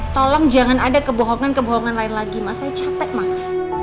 tolong jangan ada kebohongan kebohongan lain lagi masanya capek mas